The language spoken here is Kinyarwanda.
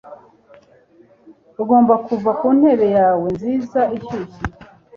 ugomba kuva ku ntebe yawe nziza ishyushye